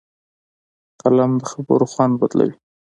قلم د خبرو خوند بدلوي